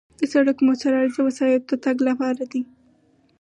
د سړک موثر عرض د وسایطو د تګ لپاره دی